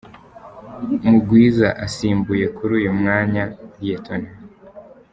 Mugwiza asimbuye kuri uyu mwanya Lt.